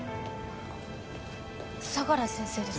相良先生です。